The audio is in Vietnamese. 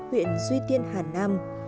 huyện duy tiên hà nam